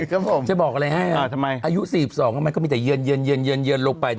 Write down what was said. ครับผมจะบอกอะไรให้อายุ๔๒มันก็มีแต่เยือนลงไป